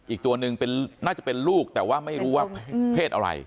อีกตัวหนึ่งน่าจะเป็นลูกแต่ว่าไม่รู้ว่าเพศอะไร